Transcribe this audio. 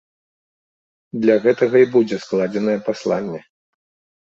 Для гэтага і будзе складзенае пасланне.